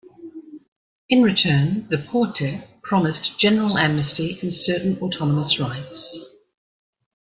In return the Porte promised general amnesty and certain autonomous rights.